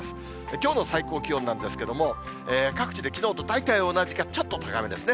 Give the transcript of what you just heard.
きょうの最高気温なんですけれども、各地できのうと大体同じかちょっと高めですね。